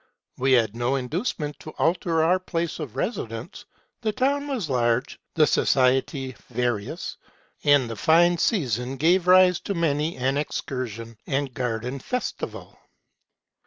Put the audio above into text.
We had n^ inducement to alter our place of residence : the town was large, the society various ; and the fine season gave rise to many an excursion and garden festival.